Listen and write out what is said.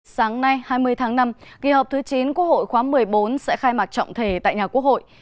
sáng nay hai mươi tháng năm kỳ họp thứ chín quốc hội khóa một mươi bốn sẽ khai mạc trọng thể tại nhà quốc hội